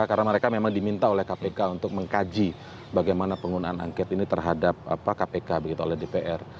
karena mereka memang diminta oleh kpk untuk mengkaji bagaimana penggunaan angket ini terhadap kpk begitu oleh dpr